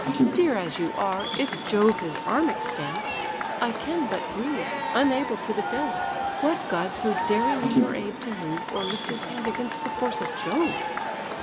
Dear as you are, if Jove his arm extend, I can but grieve, unable to defend. What god so daring in your aid to move, Or lift his hand against the force of Jove?